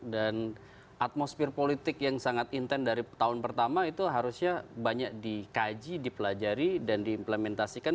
dan atmosfer politik yang sangat intent dari tahun pertama itu harusnya banyak dikaji dipelajari dan diimplementasikan